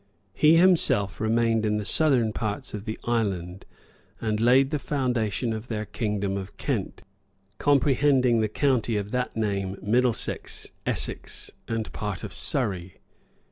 He himself remained in the southern parts of the island, and laid the foundation of their kingdom of Kent, comprehending the county of that name Middlesex, Essex, and part of Surrey.